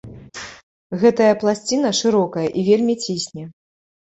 Гэтая пласціна шырокая і вельмі цісне.